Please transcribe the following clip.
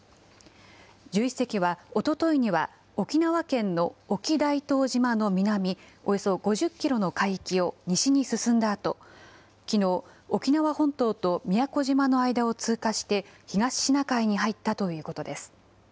１１隻はおとといには、沖縄県の沖大東島の南およそ５０キロの海域を西に進んだあと、きのう、沖縄本島と宮古島の間を通過して、東シナ海に入ったということです。